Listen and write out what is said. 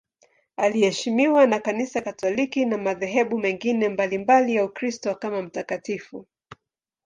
Anaheshimiwa na Kanisa Katoliki na madhehebu mengine mbalimbali ya Ukristo kama mtakatifu.